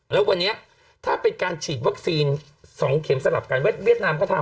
แล้ววันนี้ถ้าเป็นการฉีดวัคซีน๒เข็มสลับกัน